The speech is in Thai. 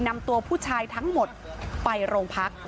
นำตัวผู้ชายทั้งหมดไปโรงพัก